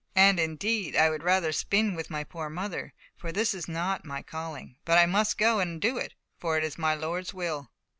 And, indeed, I would rather spin with my poor mother, for this is not my calling; but I must go and do it, for it is my Lord's will."